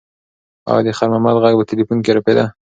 ایا د خیر محمد غږ په تلیفون کې رپېده؟